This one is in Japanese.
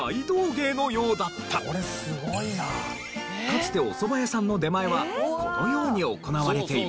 かつてお蕎麦屋さんの出前はこのように行われていました。